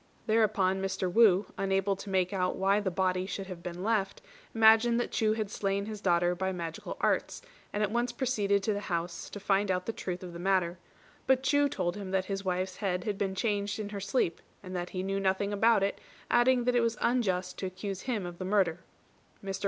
Thereupon Mr. Wu, unable to make out why the body should have been left, imagined that Chu had slain his daughter by magical arts, and at once proceeded to the house to find out the truth of the matter; but Chu told him that his wife's head had been changed in her sleep, and that he knew nothing about it, adding that it was unjust to accuse him of the murder. Mr.